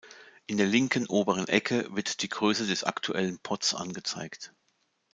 In der linken oberen Ecke wird die Größe des aktuellen Pots angezeigt.